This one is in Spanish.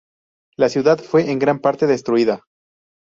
La ciudad fue en gran parte destruida.